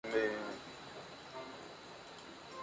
En aquel entonces, poco se sabía de las funciones de Android Inc.